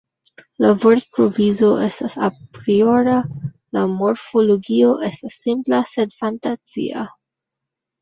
La vortprovizo estas apriora, la morfologio estas simpla sed fantazia.